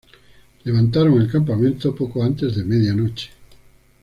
Levantaron el campamento poco antes de media noche.